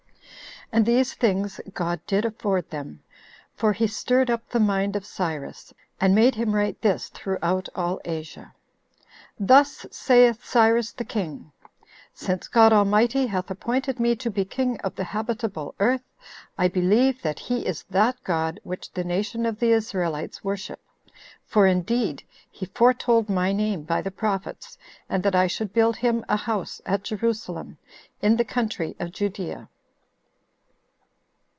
And these things God did afford them; for he stirred up the mind of Cyrus, and made him write this throughout all Asia: "Thus saith Cyrus the king: Since God Almighty hath appointed me to be king of the habitable earth, I believe that he is that God which the nation of the Israelites worship; for indeed he foretold my name by the prophets, and that I should build him a house at Jerusalem, in the country of Judea."